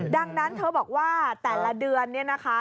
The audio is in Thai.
ดังนั้นเธอบอกว่าแต่ละเดือนเนี่ยนะคะ